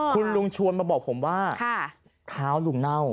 คุณลุงชวนมาบอกผมว่าเท้าลุงเน่า